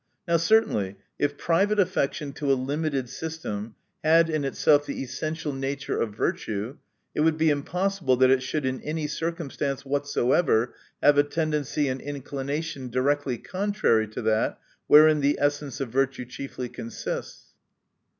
Now certainly, if private affection to a limited system had in itself the essential nature of virtue, it would be impossible, that it should in any circumstance whatsoever have a tendency and inclination di rectly contrary to that wherein the essence of virtue chiefly consists.